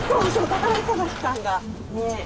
宝探し感がね。